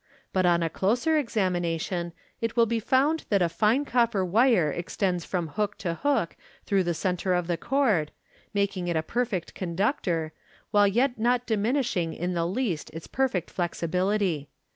But on a closer examination it will be found that a fine copper wire ex tends from hook to hook through the centre of the cord, making it a perfect conductor, while yet not diminishing in the least its perfect flexibility.